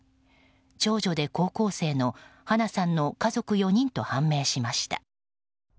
長女で高校生の華奈さんの家族４人と判明しました。